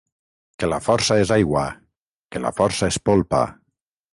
Que la força és aigua, que la força és polpa.